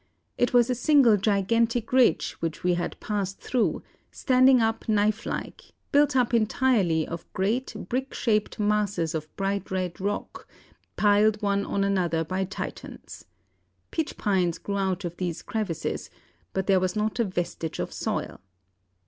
It was a single gigantic ridge which we had passed through, standing up knife like, built up entirely of great brick shaped masses of bright red rock, piled one on another by Titans. Pitch pines grew out of these crevices, but there was not a vestige of soil.